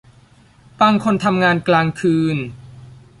บางคนทำงานกลางคืน